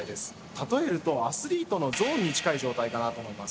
例えるとアスリートのゾーンに近い状態かなと思います。